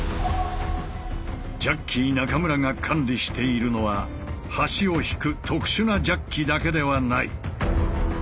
ジャッキー中村が管理しているのは橋を引く特殊なジャッキだけではない。